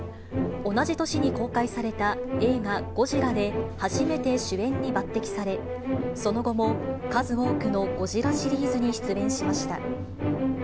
同じ年に公開された映画、ゴジラで初めて主演に抜てきされ、その後も数多くのゴジラシリーズに出演しました。